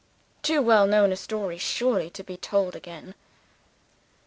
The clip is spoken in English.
Too well known a story, surely, to be told again.